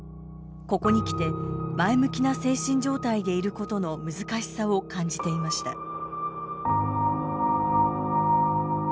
ここにきて前向きな精神状態でいることの難しさを感じていました。